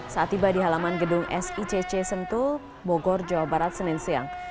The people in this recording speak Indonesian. saat tiba di halaman gedung sicc sentul bogor jawa barat senin siang